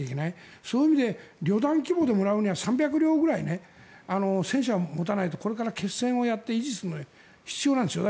そういう意味で旅団規模でもらうには３００両くらい戦車を持たないとこれから決戦をやって維持するのに必要なんです。